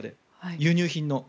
輸入品の。